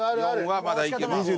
４はまだいけます。